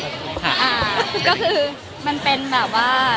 ก็คือมันเป็นแบบว่า